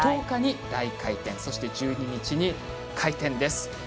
１０日に大回転そして１２日に回転です。